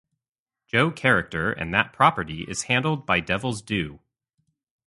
Joe character, and that property is handled by Devil's Due.